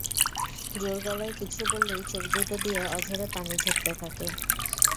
জোর গলায় কিছু বললেই চোখ দুটো দিয়ে অঝোরে পানি ঝরতে থাকে।